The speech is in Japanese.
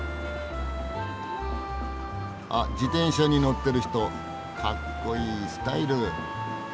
あっ自転車に乗ってる人かっこいいスタイル。